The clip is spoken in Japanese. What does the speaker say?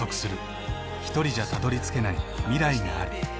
ひとりじゃたどりつけない未来がある。